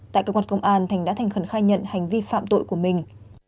tại cơ quan công an thành đã thành khẩn khai nhận hành vi phạm tội của mình